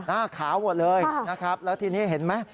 หน้าขาวหมดเลยนะครับแล้วทีนี้เห็นไหม